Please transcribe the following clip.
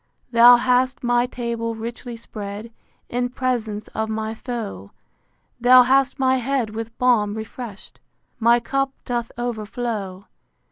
Thou hast my table richly spread In presence of my foe: Thou hast my head with balm refresh'd, My cup doth overflow.